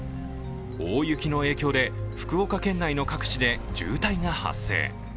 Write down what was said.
大雪の影響で福岡県内の各地で渋滞が発生。